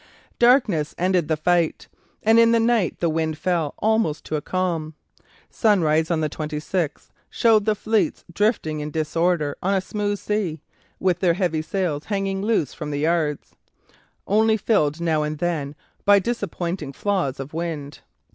Darkness ended the fight, and in the night the wind fell almost to a calm. Sunrise on the 26th showed the fleets drifting in disorder on a smooth sea, with their heavy sails hanging loose from the yards, only filled now and then by disappointing flaws of wind.